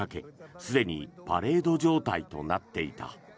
すでにパレード状態となっていた。